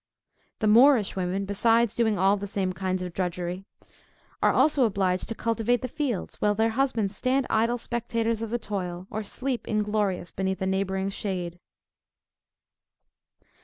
The Moorish women, besides doing all the same kinds of drudgery, are also obliged to cultivate the fields, while their husbands stand idle spectators of the toil, or sleep inglorious beneath a neighboring shade.